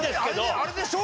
あれでしょう？